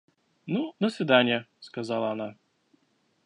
– Ну, до свиданья! – сказала она.